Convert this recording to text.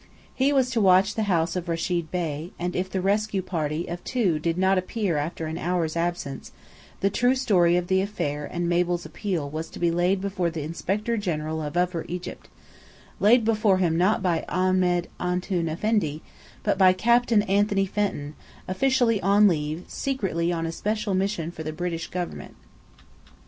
He was to watch the house of Rechid Bey, and if the rescue party of two did not appear after an hour's absence, the true story of the affair and Mabel's appeal was to be laid before the Inspector General of Upper Egypt laid before him not by "Ahmed Antoun Effendi," but by Captain Anthony Fenton, officially on leave, secretly on a special mission for the British government.